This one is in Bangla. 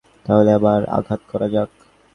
তাহলে আবার আঘাত করা যাক।